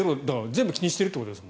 全部気にしてると。